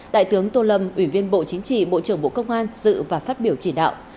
đại tướng tô lâm ủy viên bộ chính trị bộ trưởng bộ công an dự và phát biểu chỉ đạo